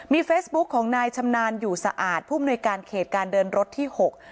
เฟซบุ๊คของนายชำนาญอยู่สะอาดผู้มนุยการเขตการเดินรถที่หก